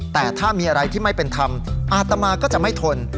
แต่ถ้ามีอะไรที่ไม่เป็นธรรมอาตมาก็จะไม่ทน